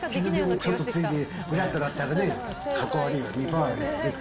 ちょっとついで、ぐらっとなったら、かっこ悪いよね。